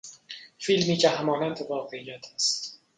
فیلمی که همانند واقعیت است.